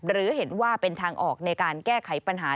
หรือเห็นว่าเป็นทางออกในการแก้ไขปัญหา